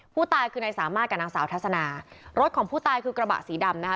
ผู้ตายคือนายสามารถกับนางสาวทัศนารถของผู้ตายคือกระบะสีดำนะคะ